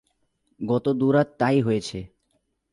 গত দু রাত তা-ই হয়েছে।